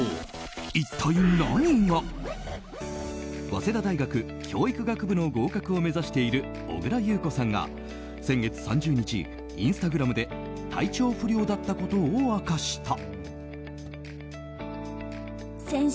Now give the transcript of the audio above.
早稲田大学教育学部の合格を目指している小倉優子さんが先月３０日、インスタグラムで体調不良だったことを明かした。